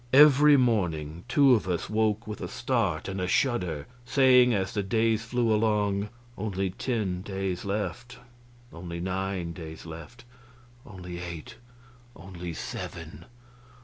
Every morning two of us woke with a start and a shudder, saying, as the days flew along, "Only ten days left;" "only nine days left;" "only eight;" "only seven."